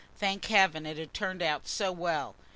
Thank heaven it had turned out so well!